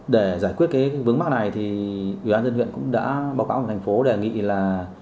để giải quyết cái vấn mắc này thì ủy ban nhân dân huyện cũng đã báo cáo cho thành phố đề nghị là